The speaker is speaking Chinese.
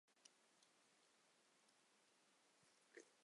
该协议分配给库尔德人的领地大致与后来库区政府的领地相当。